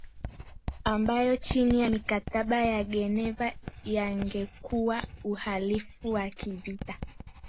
ambayo chini ya mikataba ya Geneva yangekuwa uhalifu wa kivita